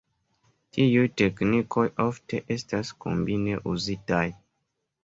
Tiuj teknikoj ofte estas kombine uzitaj.